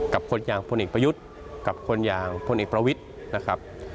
กับคนอย่างพลเอกประยุทธ์กับคนอย่างพลเอกประวิทย์นะครับ